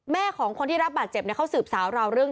แม่ของคนที่รับบาดเจ็บเนี่ยเขาสืบสาวราวเรื่อง